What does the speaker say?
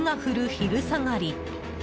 昼下がり